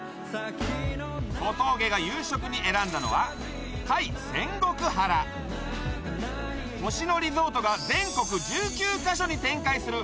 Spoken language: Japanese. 小峠が夕食に選んだのは界仙石原星野リゾートが全国１９カ所に展開する